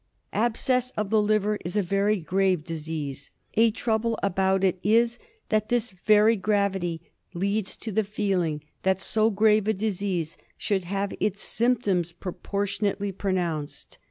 Abscess of the liver is a very grave disease. A trouble about it is that this very gravity leads to the feeling that so grave a disease should have its symptoms proportion ately pronounced.